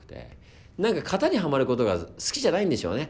何か型にはまることが好きじゃないんでしょうね